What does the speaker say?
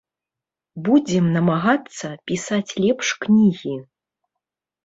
Будзем намагацца пісаць лепш кнігі.